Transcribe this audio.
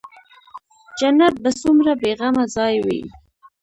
جنت به څومره بې غمه ځاى وي.